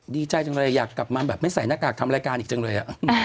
ดีใจจังเลยอยากกลับมาแบบไม่ใส่หน้ากากทำรายการอีกจังเลย